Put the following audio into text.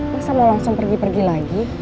masa mau langsung pergi pergi lagi